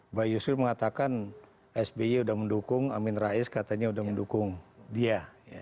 mbak yusril mengatakan sby sudah mendukung amin rais katanya sudah mendukung dia